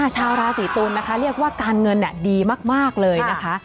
ชาวราศีตุลนะคะเรียกว่าการเงินดีมากเลยนะคะ